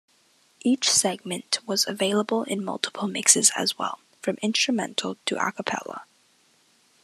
Each segment was available in multiple mixes as well, from instrumental to a cappella.